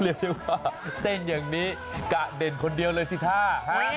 เรียกได้ว่าเต้นอย่างนี้กะเด่นคนเดียวเลยสิท่า